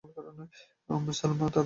উম্মে সালামা তাতে সাড়া দিলেন না।